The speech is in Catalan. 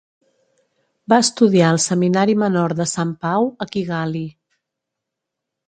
Va estudiar al Seminari Menor de Sant Pau a Kigali.